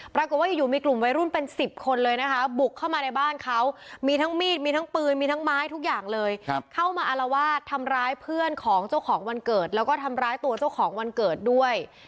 ปรากฏว่าอยู่มีกลุ่มวัยรุ่นเป็น๑๐คนเลยนะคะบุกเข้ามาในบ้านเขามีทั้งมีดมีทั้งปืนมีทั้งไม้ทุกอย่างเลยเข้ามาอารวาสทำร้ายเพื่อนของเจ้าของวันเกิดแล้วก็ทำร้ายตัวเจ้าของวันเกิดด้วย